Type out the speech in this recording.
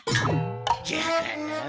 じゃから？